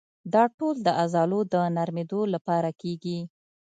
دا ټول د عضلو د نرمېدو لپاره کېږي.